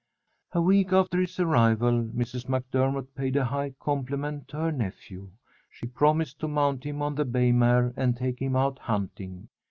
A week after his arrival Mrs. MacDermott paid a high compliment to her nephew. She promised to mount him on the bay mare and take him out hunting.